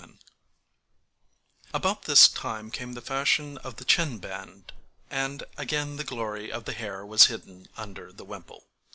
a circular pin}] About this time came the fashion of the chin band, and again the glory of the hair was hidden under the wimple.